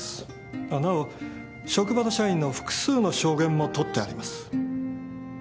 あっなお職場の社員の複数の証言も取ってあります。